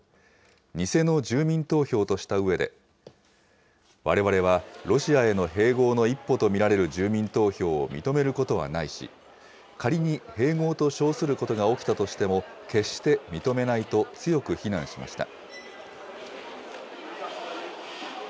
偽の住民投票としたうえで、われわれはロシアへの併合の一歩と見られる住民投票を認めることはないし、仮に併合と称することが起きたとしても決して認めないと強く非難しました。